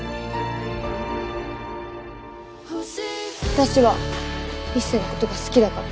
私は一星の事が好きだから。